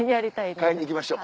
買いに行きましょう。